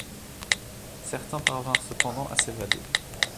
Certains parvinrent cependant à s'évader.